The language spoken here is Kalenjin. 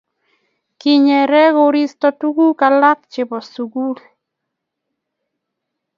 kinyere koristo tuguk alak che bo sukul